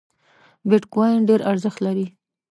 بیټ کواین ډېر ارزښت لري